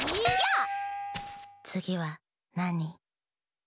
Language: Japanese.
つぎはなに？